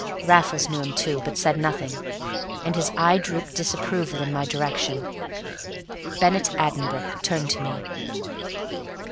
Raffles knew him too, but said nothing, and his eye drooped disapproval in my direction. Bennett Addenbrooke turned to me.